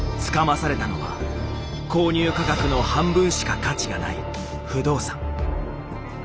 つかまされたのは購入価格の半分しか価値がない不動産。